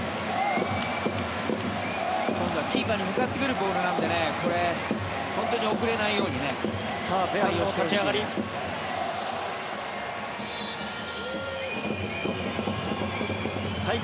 今度はキーパーに向かってくるボールなのでこれ、本当に遅れないようにね対応してほしい。